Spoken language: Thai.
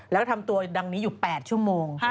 แล้วก็ทำตัวดังนี้อยู่๘ชั่วโมง